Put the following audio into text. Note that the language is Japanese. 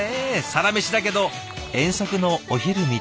サラメシだけど遠足のお昼みたい！